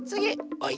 はい。